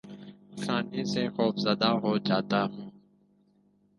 آسانی سے خوف زدہ ہو جاتا ہوں